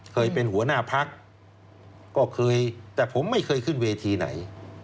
เคยเป็นหัวหน้าพักก็เคยแต่ผมไม่เคยขึ้นเวทีไหน